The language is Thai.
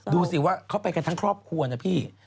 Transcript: ดูสิว่าเขาไปกันทั้งครอบครัวนะพี่